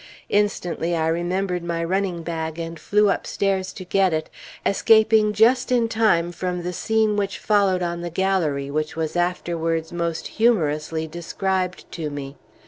Instantly I remembered my running bag, and flew upstairs to get it, escaping just in time from the scene which followed on the gallery which was afterwards most humorously described to me.